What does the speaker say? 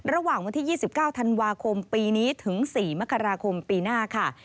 ระหว่างวันที่๒๙ธันวาคมปีนี้ถึง๔มกราคมปีหน้าค่ะ